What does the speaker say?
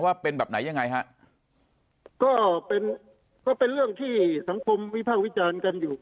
ว่าเป็นแบบไหนยังไงฮะก็เป็นก็เป็นเรื่องที่สังคมวิพากษ์วิจารณ์กันอยู่